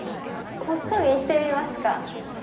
こっそり行ってみますか。